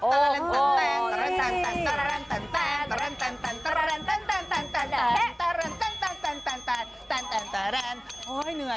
อ้อยยเหนื่อยก็ไม่เป็นเนอะ